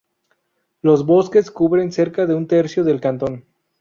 Los bosques cubren cerca de un tercio del cantón.